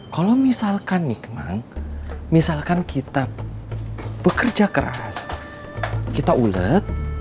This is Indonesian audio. kalau misalkan nikmal misalkan kita bekerja keras kita ulet